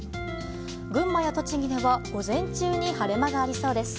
群馬や栃木では午前中に晴れ間がありそうです。